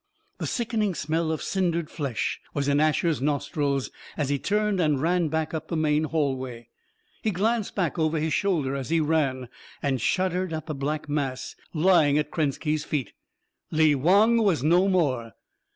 The sickening smell of cindered flesh was in Asher's nostrils as he turned and ran back up the main hallway. He glanced back over his shoulder as he ran, and shuddered at the black mass lying at Krenski's feet. Lee Wong was no more.